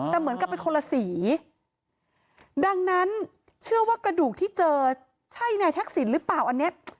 แต่เหมือนกับเป็นคนละสีดังนั้นเชื่อว่ากระดูกที่เจอใช่นายทักษิณหรือเปล่าอันนี้